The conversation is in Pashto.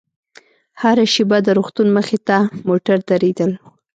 هره شېبه د روغتون مخې ته موټر درېدل.